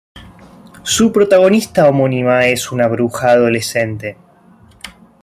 Su protagonista homónima es una bruja adolescente.